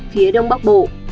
phía đông bắc bộ